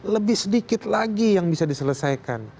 lebih sedikit lagi yang bisa diselesaikan